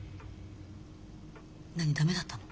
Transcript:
何駄目だったの？